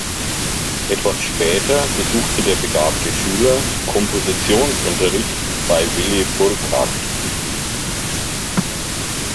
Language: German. Etwas später besuchte der begabte Schüler Kompositionsunterricht bei Willy Burkhard.